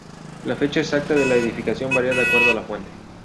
La fecha exacta de la edificación varía de acuerdo a la fuente.